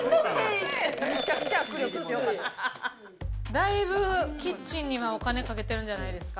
だいぶキッチンにはお金かけてるんじゃないですか？